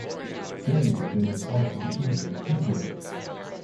Balian joined his wife and children in Tripoli.